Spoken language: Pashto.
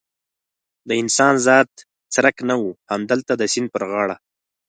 د انسان ذات څرک نه و، همدلته د سیند پر غاړه.